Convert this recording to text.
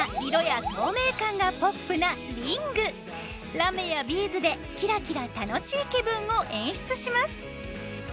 ラメやビーズでキラキラ楽しい気分を演出します。